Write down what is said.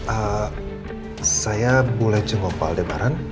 eee saya boleh jenguk pak aldebaran